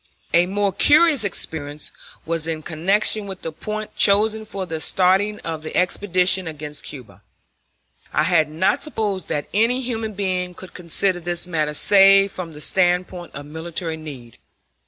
A more curious experience was in connection with the point chosen for the starting of the expedition against Cuba. I had not supposed that any human being could consider this matter save from the standpoint of military need.